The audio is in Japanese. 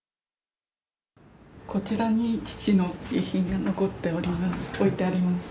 こちらに父の遺品が残っております